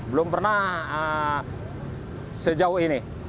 belum pernah sejauh ini